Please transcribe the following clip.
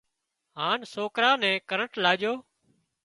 هانَ سوڪرا نين ڪرنٽ لاڄون